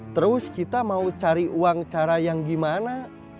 terus kita mau cari uang cara yang gimana